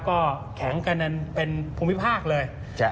ก็แข็งกันเป็นภูมิภาคเลย